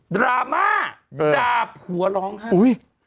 ดราม่าดาบหัวร้องห้าม